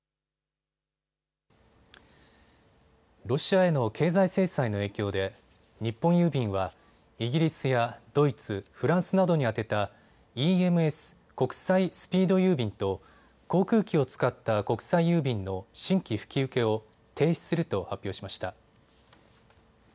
ロシアへの経済制裁の影響で日本郵便はイギリスやドイツ、フランスなどに宛てたＥＭＳ・国際スピード郵便と航空機を使った国際郵便の新規引き受けを停止すると発表しました。